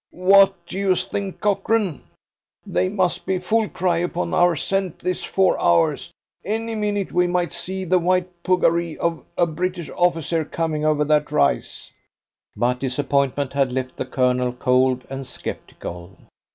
What d'ye think, Cochrane? They must be full cry upon our scent this four hours. Any minute we might see the white puggaree of a British officer coming over that rise." But disappointment had left the Colonel cold and sceptical.